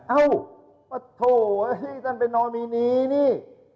เอ้าปะโถ่ต้นเป็นนอมินีนี่